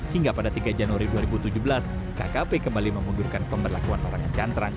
hingga pada tiga januari dua ribu tujuh belas kkp kembali memundurkan pemberlakuan larangan cantrang